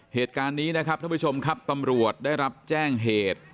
เหตุการณ์นี้นะครับท่านผู้ชมครับตำรวจได้รับแจ้งเหตุ